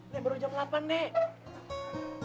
nek baru jam delapan nek